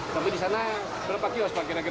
tapi di sana berapa kios pak